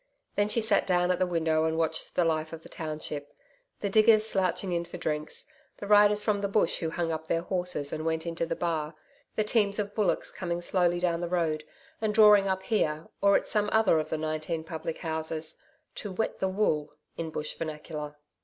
Then she sat down at the window and watched the life of the township the diggers slouching in for drinks, the riders from the bush who hung up their horses and went into the bar, the teams of bullocks coming slowly down the road and drawing up here or at some other of the nineteen public houses 'to wet the wool,' in bush vernacular.